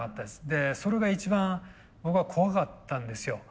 でそれが一番僕は怖かったんですよ。